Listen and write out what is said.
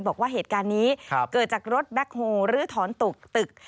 บอกว่าเหตุการณ์นี้เกิดจากรถแบ็คโฮลื้อถอนตกตึก